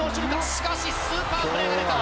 しかしスーパープレーが出た。